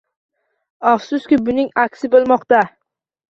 Afsuski, buning aksi bo'lmoqda